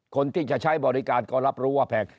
คนที่จะใช้บริการก็รับรู้ว่าแพง